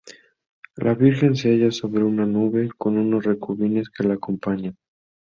La Virgen se halla sobre una nube con unos querubines que la acompañan.